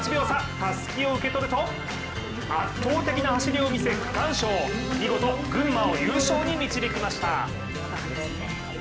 たすきを受け取ると圧倒的な走りを見せ、区間賞、見事群馬を優勝に導きました。